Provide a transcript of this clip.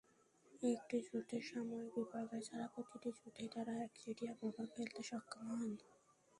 একটি যুদ্ধে সাময়িক বিপর্যয় ছাড়া প্রতিটি যুদ্ধেই তারা একচেটিয়া প্রভাব ফেলতে সক্ষম হন।